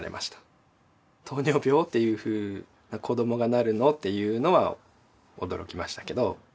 「糖尿病？」っていうふうな「子どもがなるの？」っていうのは驚きましたけど。